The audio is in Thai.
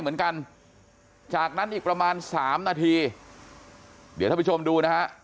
เหมือนกันจากนั้นอีกประมาณสามนาทีเดี๋ยวท่านผู้ชมดูนะฮะ